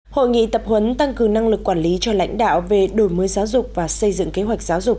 hội nghị tập huấn tăng cường năng lực quản lý cho lãnh đạo về đổi mới giáo dục và xây dựng kế hoạch giáo dục